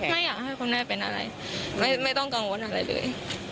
ไม่อยากให้คุณแม่เป็นอะไรไม่ต้องกังวลอะไรเลย